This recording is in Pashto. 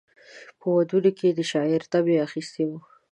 په ودونو کې یې د شاعرۍ طبع اخیستې وه.